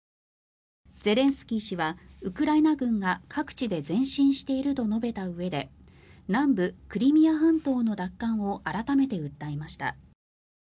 ゼレンスキー氏はウクライナ軍が各地で前進していると述べたうえで南部クリミア半島の奪還を改めて訴えました。